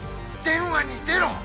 電話に出ろ！